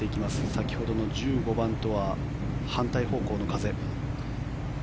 先ほどの１５番とは反対方向の風。